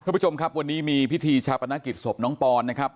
คุณผู้ชมครับวันนี้มีพิธีชาปนกิจศพน้องปอนนะครับ